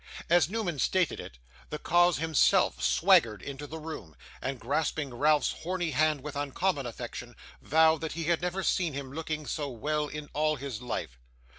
As Newman stated it, the cause himself swaggered into the room, and grasping Ralph's horny hand with uncommon affection, vowed that he had never seen him looking so well in all his life.